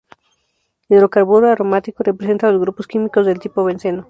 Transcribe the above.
Hidrocarburo aromático, representa los grupos químicos del tipo benceno.